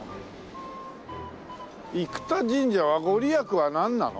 生田神社は御利益はなんなの？